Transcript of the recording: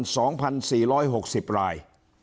เป็น๒๔๖๐ราย